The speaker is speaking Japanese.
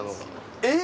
えっ？